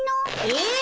え！